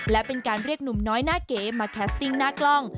และเป็นการเรียกหนุ่มน้อยหน้าเก๋มาแคสติ้งหน้ากล้อง